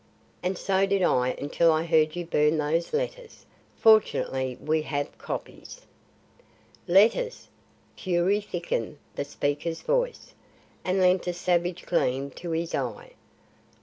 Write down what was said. And so did I until I heard you burn those letters. Fortunately we have copies." "Letters!" Fury thickened the speaker's voice, and lent a savage gleam to his eye.